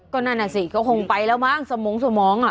ก็นั่นน่ะสิเขาคงไปแล้วบ้างสมองสมอง